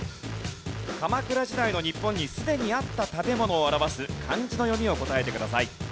鎌倉時代の日本にすでにあった食べ物を表す漢字の読みを答えてください。